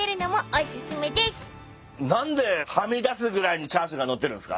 何ではみ出すぐらいにチャーシューが載ってるんすか？